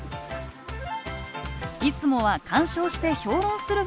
いつもは鑑賞して評論する側の梅さん。